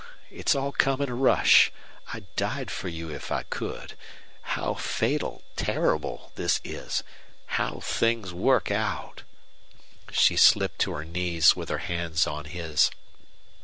It's all come in a rush. I'd die for you if I could. How fatal terrible this is! How things work out!" She slipped to her knees, with her hands on his.